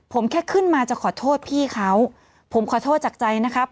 ผมแค่ขึ้นมาจะขอโทษพี่เขาผมขอโทษจากใจนะครับ